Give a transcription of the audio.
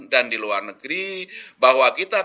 dan di luar negeri bahwa kita